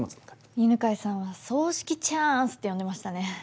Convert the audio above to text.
犬飼さんは葬式チャンスって呼んでましたね。